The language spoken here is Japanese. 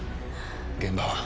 現場は？